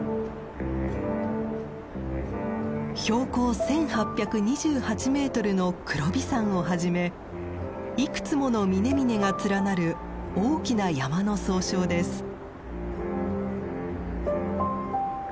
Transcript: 標高１，８２８メートルの黒檜山をはじめいくつもの峰々が連なる大きな山の総称です。